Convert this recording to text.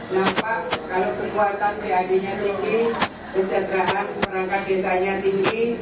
nampak kalau kekuatan pad nya tinggi kesejahteraan perangkat desanya tinggi